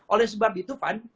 oleh sebab itu pan